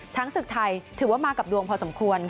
ช้างศึกไทยถือว่ามากับดวงพอสมควร